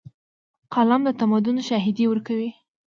قلم د تمدن شاهدي ورکوي.